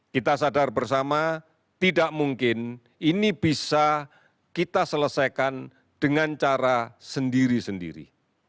kita sadar bersama tidak mungkin ini bisa kita selesaikan dengan cara sendiri sendiri